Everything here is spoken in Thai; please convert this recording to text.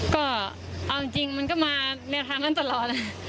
ก็เอาจริงมันก็มาแนวทางนั้นตลอด